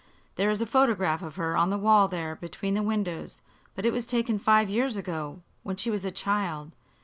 "There is a photograph of her on the wall there between the windows; but it was taken five years ago, when she was a child.